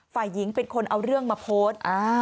ฝ่ายหญิงเป็นคนเอาเรื่องมาโพสต์